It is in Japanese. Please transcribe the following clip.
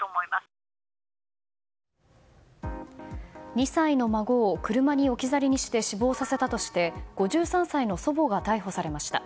２歳の孫を車に置き去りにして死亡させたとして５３歳の祖母が逮捕されました。